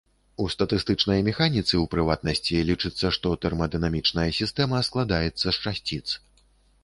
У статыстычнай механіцы, у прыватнасці, лічыцца, што тэрмадынамічная сістэма складаецца з часціц.